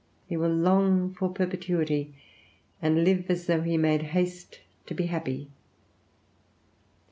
He will long for perpetuity, and live as though he made haste to be happy.